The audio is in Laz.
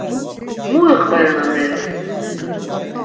Mu iqveren ameris?